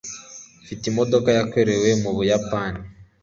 mfite imodoka yakorewe mu buyapani